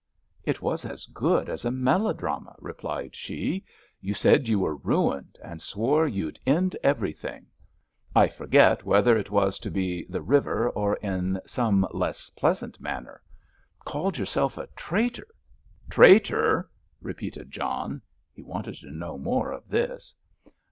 "It was as good as a melodrama," replied she. "You said you were ruined, and swore you'd end everything! I forget whether it was to be the river or in some less pleasant manner. Called yourself a traitor——" "Traitor!" repeated John—he wanted to know more of this.